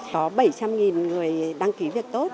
có bảy trăm linh người đăng ký việc tốt